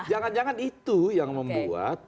jangan jangan itu yang membuat